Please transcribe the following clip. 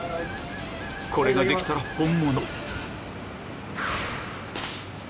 これができたら本物！